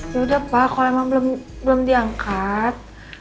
yaudah pak kalo emang belum diangkat